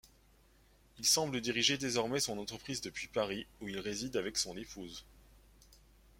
Il semble diriger désormais son entreprise depuis Paris, où il réside avec son épouse.